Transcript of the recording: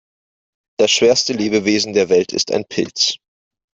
Das schwerste Lebewesen der Welt ist ein Pilz.